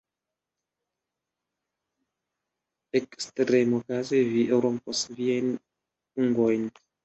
Ekstremokaze vi rompos viajn ungojn!